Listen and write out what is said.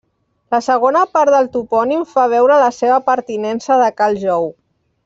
La segona part del topònim fa veure la seva pertinença de Cal Jou.